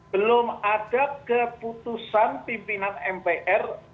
belum ada keputusan pimpinan mpr